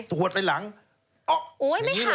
หวดไปหลังโอ๊ยอย่างนี้เลย